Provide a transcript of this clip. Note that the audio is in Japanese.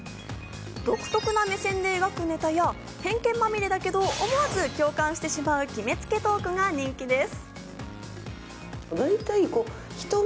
独特な目線で描くネタや、偏見まみれだけど思わず共感してしまう決めつけトークが人気です。